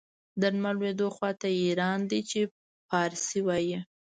د لمر لوېدو خواته یې ایران دی چې پارسي وايي.